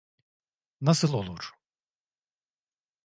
Nasıl olur?